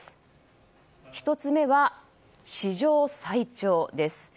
１つ目は、史上最長です。